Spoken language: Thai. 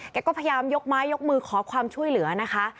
ก็พยายามยกไม้ยกมือขอความช่วยเหลือนะคะ